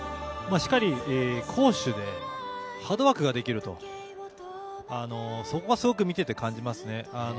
しっかり攻守でハードワークができる、そこがすごく見てて感じますね。